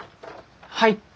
はい。